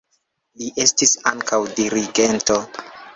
Li estis ankaŭ dirigento.